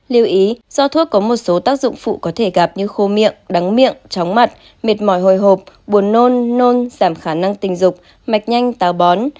lưu ý do thuốc có một số tác dụng phụ có thể gặp như khô miệng nắng miệng chóng mặt mệt mỏi hồi hộp buồn nôn nôn giảm khả năng tình dục mạch nhanh táo bón